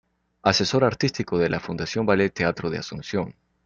Asesor artístico de la Fundación Ballet Teatro de Asunción.